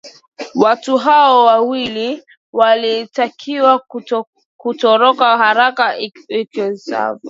watu hao wawili walitakiwa kutoroka haraka iwezekanavyo